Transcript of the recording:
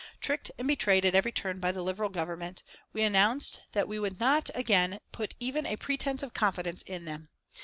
Tricked and betrayed at every turn by the Liberal Government, we announced that we would not again put even a pretence of confidence in them.